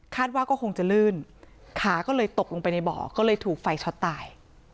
ว่าก็คงจะลื่นขาก็เลยตกลงไปในบ่อก็เลยถูกไฟช็อตตาย